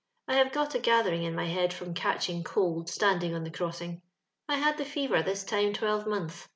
I have got a gathering in m; head from catching cold standing on the crpss ing. I had the fever this time twelvemonth.